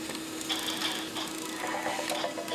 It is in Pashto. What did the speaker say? ولي لېواله انسان د ذهین سړي په پرتله موخي ترلاسه کوي؟